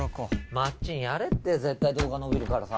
まっちんやれって絶対動画伸びるからさ。